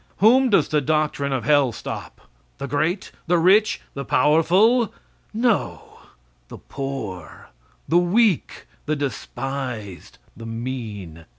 Whom does the doctrine of hell stop? The great, the rich, the powerful? No; the poor, the weak, the despised, the mean.